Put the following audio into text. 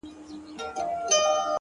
ما تاته د پرون د خوب تعبير پر مخ گنډلی؛